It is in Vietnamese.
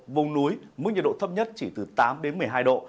vùng núi mức nhiệt độ thấp nhất chỉ từ tám đến một mươi hai độ